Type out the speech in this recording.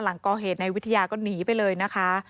หลังก่อเหตุนายวิทยาก็หนีไปเลยนะคะ